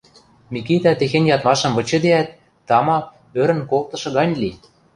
Микитӓ техень ядмашым вычыдеӓт, тама, ӧрӹн колтышы гань ли.